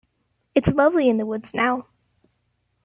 It’s lovely in the woods now.